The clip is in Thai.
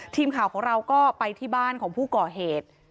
ทีมข่าวของเราก็ไปที่บ้านของผู้ก่อเหตุ